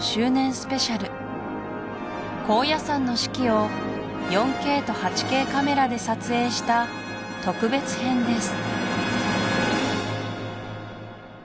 スペシャル高野山の四季を４Ｋと８Ｋカメラで撮影した特別篇です